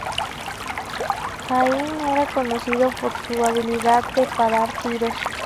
Hain era conocido por su habilidad de parar tiros.